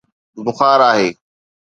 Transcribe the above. بخار آهي